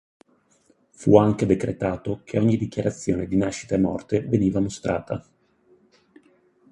Fu anche decretato che ogni dichiarazione di nascita e morte veniva mostrata.